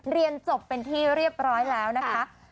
เรียนจบเป็นที่เรียบร้อยแล้วนะคะ